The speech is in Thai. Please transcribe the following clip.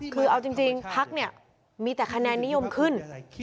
คือเอาจริงพักเนี่ยมีแต่คะแนนนิยมขึ้น